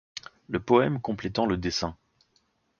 Le poème complétant le dessin.